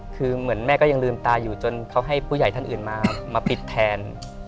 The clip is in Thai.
คือเหมือนแม่ก็ยังลืมตาอยู่จนเขาให้ผู้ใหญ่ท่านอื่นมาปิดแทน